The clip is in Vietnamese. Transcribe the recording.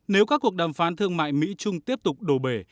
nếu các cuộc đàm phán thương mại mỹ trung tiếp tục đổ bể